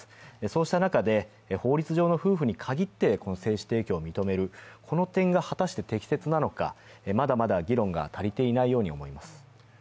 そうした中で、法律上の夫婦に限って精子提供を認める、この点が果たして適切なのか、まだまだ議論が足りていないように思います。